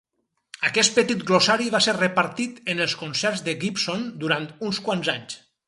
Aquest petit glossari va ser repartit en els concerts de Gibson durant uns quants anys.